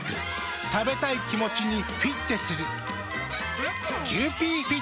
食べたい気持ちにフィッテする。